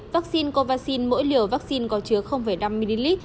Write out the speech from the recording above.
vaccine covaxin mỗi liều vaccine có chứa năm ml